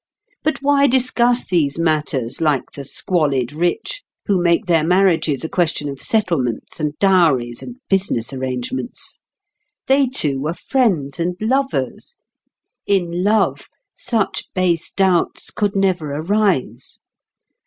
But why discuss these matters like the squalid rich, who make their marriages a question of settlements and dowries and business arrangements? They two were friends and lovers; in love, such base doubts could never arise.